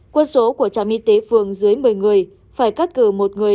quân số của trạm y tế phường dưới một mươi người phải cắt cử một người